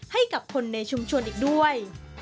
ให้กับคนในชุมชนอีกด้วย